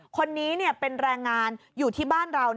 คนนี้เป็นแรงงานอยู่ที่บ้านเรา